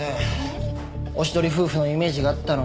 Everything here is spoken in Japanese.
おしどり夫婦のイメージがあったのに。